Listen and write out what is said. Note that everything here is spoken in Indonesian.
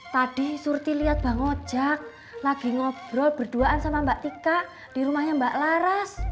tadi surti lihat bang ojak lagi ngobrol berduaan sama mbak tika di rumahnya mbak laras